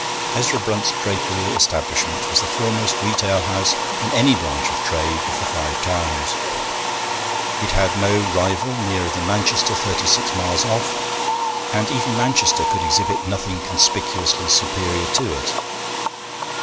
Ezra Brunt's drapery establishment was the foremost retail house, in any branch of trade, of the Five Towns. It had no rival nearer than Manchester, thirty six miles off; and even Manchester could exhibit nothing conspicuously superior to it.